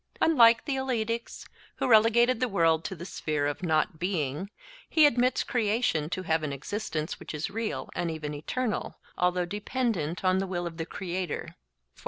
Unlike the Eleatics, who relegated the world to the sphere of not being, he admits creation to have an existence which is real and even eternal, although dependent on the will of the creator.